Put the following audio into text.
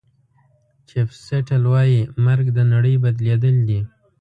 چیف سیټل وایي مرګ د نړۍ بدلېدل دي.